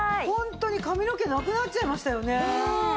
ホントに髪の毛なくなっちゃいましたよね。